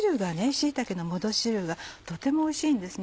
椎茸の戻し汁がとてもおいしいんですね。